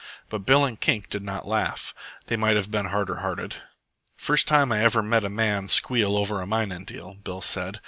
But Bill and Kink did not laugh. They might have been harder hearted. "First time I ever hear a man squeal over a minin' deal," Bill said.